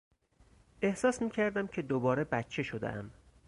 احساس میکردم که دوباره بچه شدهام.